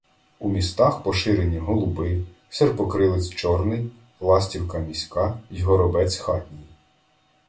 У містах поширені голуби, серпокрилець чорний, ластівка міська й горобець хатній.